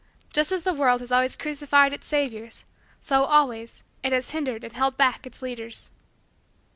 Just as the world has always crucified its saviors, so, always, it has hindered and held back its leaders.